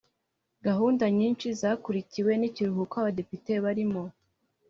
Gahunda nyinshi zakurikiwe n’ikiruhuko abadepite barimo